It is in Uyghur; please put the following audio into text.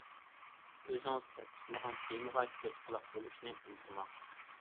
ئۆزىڭىز تەستىقلىغان تېمىغا كۆز-قۇلاق بولۇشنى ئۇنتۇماڭ.